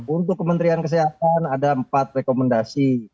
untuk kementerian kesehatan ada empat rekomendasi